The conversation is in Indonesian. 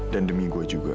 dan demi gue juga